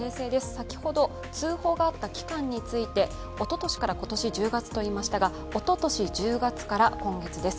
先ほど、通報があった期間についておととしから今年１０月といいましたが、おととし１０月から今月です。